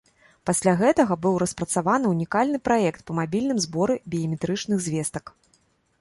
Пасля гэтага быў распрацаваны ўнікальны праект па мабільным зборы біяметрычных звестак.